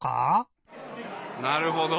なるほど。